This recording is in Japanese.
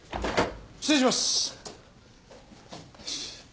失礼します。